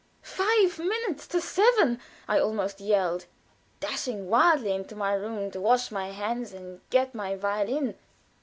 "Five minutes to seven!" I almost yelled, dashing wildly into my room to wash my hands and get my violin.